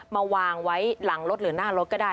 มาวางไว้หลังรถหรือหน้ารถก็ได้